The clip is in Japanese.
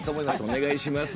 お願いします。